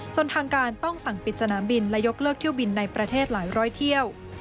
ทางการต้องสั่งปิดสนามบินและยกเลิกเที่ยวบินในประเทศหลายร้อยเที่ยว